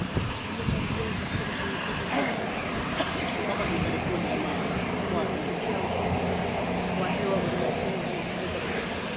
Mhandisi anaongoza utafiti kwenye chuo kikuu cha Makerere, jijini Kampala Bain Omugisa, amesema hatua hiyo imechochea uchafuzi wa hewa ulimwenguni umeongeza vifo